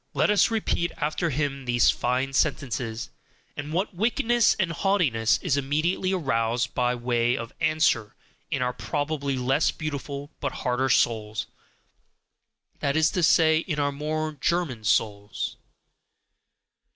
Let us repeat after him these fine sentences and what wickedness and haughtiness is immediately aroused by way of answer in our probably less beautiful but harder souls, that is to say, in our more German souls!